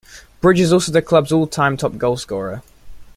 Bridge is also the club's all-time top goalscorer.